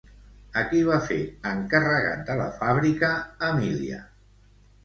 A qui va fer encarregat de la fàbrica Emília?